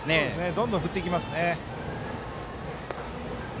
どんどん振ってきますね。